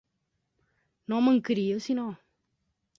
No mancaria sinó!